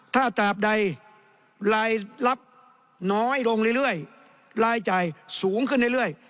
ถ้าตราบใดรายรับน้อยลงเรื่อยรายจ่ายสูงขึ้นเรื่อย